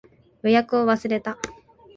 予約を忘れた